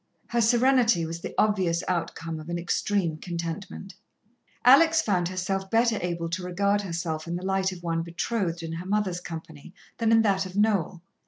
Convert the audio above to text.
Her serenity was the obvious outcome of an extreme contentment. Alex found herself better able to regard herself in the light of one betrothed in her mother's company than in that of Noel.